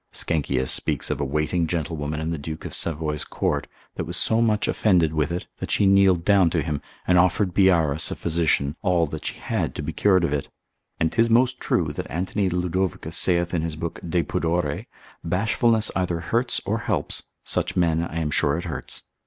Sckenkius observ. med. lib. 1. speaks of a waiting gentlewoman in the Duke of Savoy's court, that was so much offended with it, that she kneeled down to him, and offered Biarus, a physician, all that she had to be cured of it. And 'tis most true, that Antony Ludovicus saith in his book de Pudore, bashfulness either hurts or helps, such men I am sure it hurts.